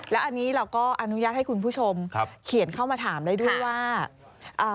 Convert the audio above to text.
และอันนี้เราก็อนุญาตให้คุณผู้ชมเขียนเข้ามาถามด้วยว่า